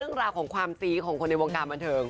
เรื่องราวของความซีของคนในวงการบันเทิง